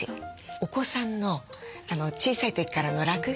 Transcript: お子さんの小さい時からの落書き。